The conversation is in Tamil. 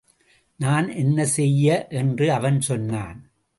நான் என்ன செய்ய? என்று அவன் சொன்னான்.